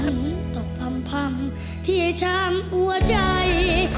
ทนต่อพร่ำที่ช้ำหัวใจ